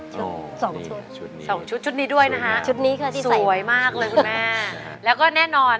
ชุดสองชุดสองชุดชุดนี้ด้วยนะคะสวยมากเลยคุณแม่แล้วก็แน่นอน